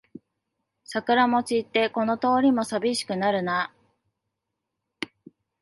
桜も散ってこの通りもさびしくなるな